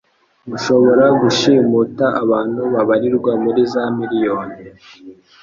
gushobora gushimuta abantu babarirwa muri za miriyoni,